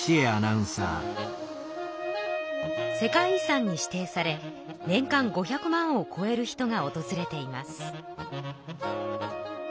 世界遺産に指定され年間５００万をこえる人がおとずれています。